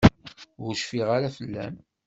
Ur cfiɣ ara fell-am.